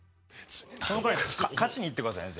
勝ちにいってくださいね。